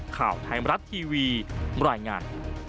ข่าวไทยมรัฐทีวีบรรยายงาน